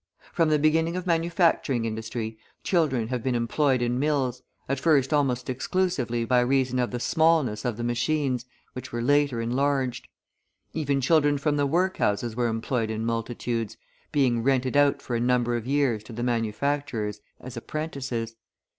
From the beginning of manufacturing industry, children have been employed in mills, at first almost exclusively by reason of the smallness of the machines, which were later enlarged. Even children from the workhouses were employed in multitudes, being rented out for a number of years to the manufacturers as apprentices.